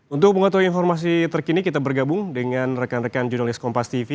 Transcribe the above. untuk mengetahui informasi terkini kita bergabung dengan rekan rekan jurnalis kompas tv